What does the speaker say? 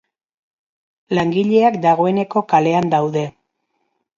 Langileak dagoeneko kalean daude.